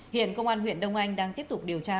hiện công an huyện đông anh đang tiếp tục điều tra